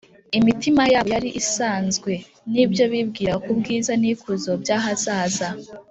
imitima yabo yari isazwe n’ibyo bibwiraga ku bwiza n’ikuzo by’ahazaza